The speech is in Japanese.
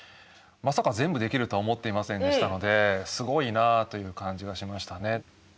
まさか全部できるとは思っていませんでしたのですごいなという感じがしましたね。